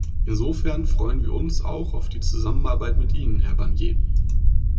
Insofern freuen wir uns auch auf die Zusammenarbeit mit Ihnen, Herr Barnier!